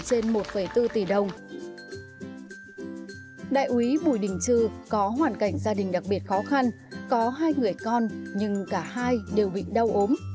đại úy bùi đình trư có hoàn cảnh gia đình đặc biệt khó khăn có hai người con nhưng cả hai đều bị đau ốm